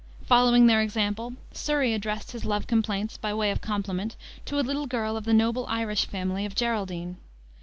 Following their example, Surrey addressed his love complaints, by way of compliment, to a little girl of the noble Irish family of Geraldine.